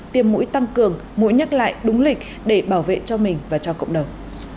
tiêm mũi tăng cường mũi nhắc lại đúng lịch để bảo vệ cho mình và cho cộng đồng